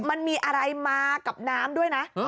มันมีอะไรมากับน้ำด้วยนะ